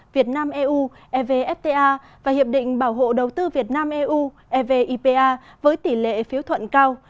việt nam eu evfta và hiệp định bảo hộ đầu tư việt nam eu evipa với tỷ lệ phiếu thuận cao